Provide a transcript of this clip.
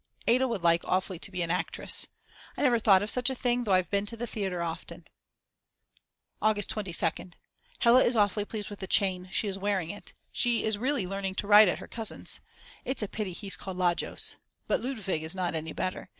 Ada would like awfully to be an actress. I never thought of such a thing though I've been to the theatre often. August 22nd. Hella is awfully pleased with the chain; she is wearing it. She is really learning to ride at her cousin's. It's a pity he's called Lajos. But Ludwig is not any better.